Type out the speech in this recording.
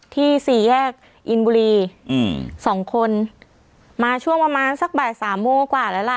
สี่แยกอินบุรีอืมสองคนมาช่วงประมาณสักบ่ายสามโมงกว่าแล้วล่ะ